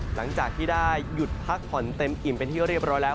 หลังจากที่ได้หยุดพักผ่อนเต็มอิ่มเป็นที่เรียบร้อยแล้ว